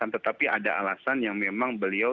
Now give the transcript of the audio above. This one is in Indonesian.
tetapi ada alasan yang memang beliau